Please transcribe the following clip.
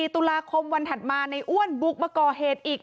ตุลาคมวันถัดมาในอ้วนบุกมาก่อเหตุอีก